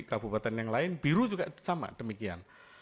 kabupaten yang lain biru juga sama demikian